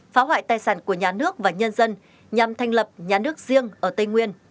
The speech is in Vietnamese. phá hoại tài sản của nhà nước và nhân dân nhằm thành lập nhà nước riêng ở tây nguyên